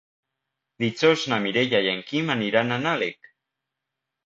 Dijous na Mireia i en Quim aniran a Nalec.